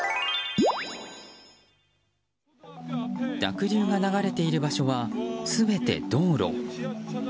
濁流が流れている場所は全て道路。